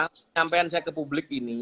penyampaian saya ke publik ini